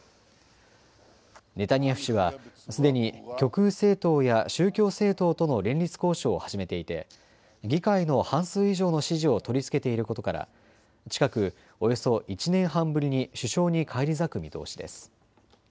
ネタニヤフ氏はすでに極右政党や宗教政党との連立交渉を始めていて議会の半数以上の支持を取りつけていることから近くおよそ１年半ぶりに首相に返り咲く見通しです。